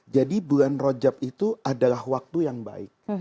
jadi bulan rajab itu adalah waktu yang baik